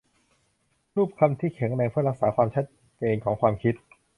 รูปคำที่แข็งแรงเพื่อรักษาความชัดเจนของความคิด